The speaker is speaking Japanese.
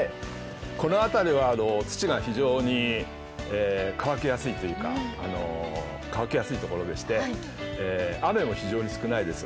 この辺りは土が非常に乾きやすいところでして、雨も非常に少ないです。